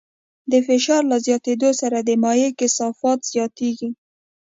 د فشار له زیاتېدو سره د مایع کثافت زیاتېږي.